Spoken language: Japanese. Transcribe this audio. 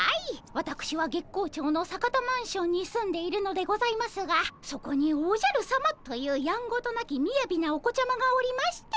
わたくしは月光町の坂田マンションに住んでいるのでございますがそこにおじゃるさまというやんごとなきみやびなお子ちゃまがおりまして。